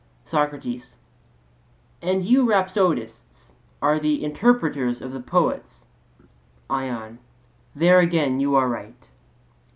SOCRATES: And you rhapsodists are the interpreters of the poets? ION: There again you are right.